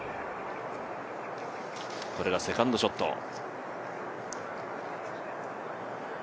これがセカンドショット。